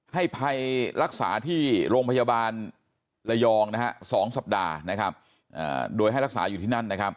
ให้ภัยรักษาที่โรงพยาบาลระยอง๒สัปดาห์โดยให้รักษาอยู่ที่นั่น